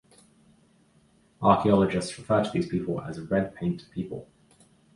Archaeologists refer to these people as "Red Paint People".